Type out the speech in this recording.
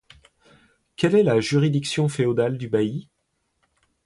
Quelle est la juridiction féodale du bailli?